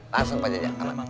langsung pak jajak aman aman